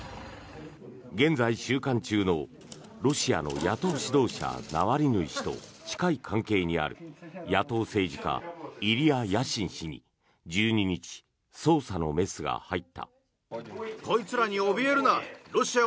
現在、収監中のロシアの野党指導者ナワリヌイ氏と近い関係にある野党政治家、イリヤ・ヤシン氏に１２日、捜査のメスが入った。